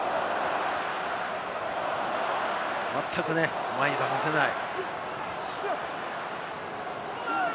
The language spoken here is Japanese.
まったく前に出させない。